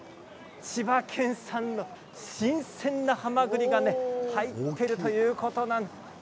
千葉県産の新鮮なはまぐりが入っているということなんです。